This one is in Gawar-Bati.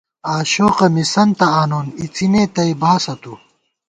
آشوقہ مِسَنتہ آنون اِڅِنے تئی باسہ تُو